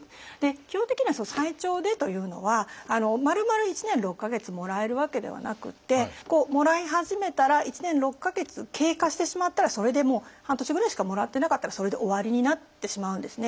基本的には「最長で」というのはまるまる１年６か月もらえるわけではなくってもらい始めたら１年６か月経過してしまったらそれでもう半年ぐらいしかもらってなかったらそれで終わりになってしまうんですね。